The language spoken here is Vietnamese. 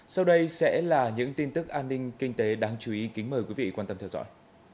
sau đây sẽ là những tin tức an ninh kinh tế đáng chú ý kính mời quý vị quan tâm theo dõi